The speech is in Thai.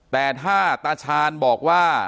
แต่ถ้าตาชาญบอกว่า